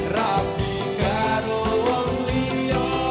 rambi ruang dia